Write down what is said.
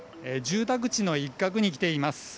住宅地の一角に来ています。